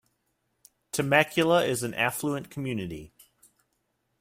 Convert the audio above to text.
Temecula is an affluent community.